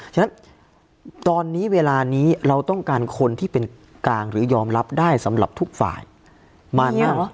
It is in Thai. ฉะนั้นตอนนี้เวลานี้เราต้องการคนที่เป็นกลางหรือยอมรับได้สำหรับทุกฝ่ายมาก